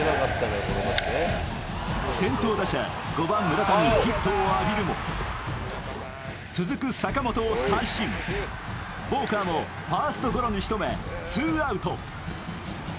先頭打者、５番・村上にヒットを浴びるも続く坂本を三振、ボウカーもファーストゴロにしとめツーアウト。